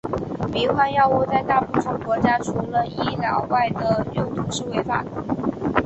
迷幻药物在大部分国家除了医疗外的用途是违法的。